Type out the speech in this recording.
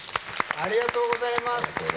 ありがとうございます。